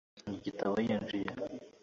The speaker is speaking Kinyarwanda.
Nari nasomye igitabo yinjiye.